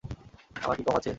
আমার কী কম আছে?